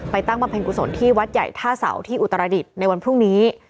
ตั้งบำเพ็ญกุศลที่วัดใหญ่ท่าเสาที่อุตรดิษฐ์ในวันพรุ่งนี้